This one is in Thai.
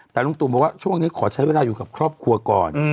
แต่ลุงตู่บอกว่าช่วงนี้ขอใช้เวลาอยู่กับครอบครัวก่อน